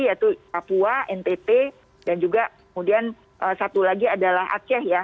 yaitu papua ntt dan juga kemudian satu lagi adalah aceh ya